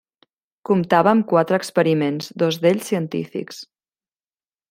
Comptava amb quatre experiments, dos d'ells científics.